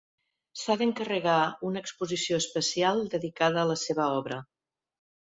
S'ha d'encarregar una exposició especial dedicada a la seva obra.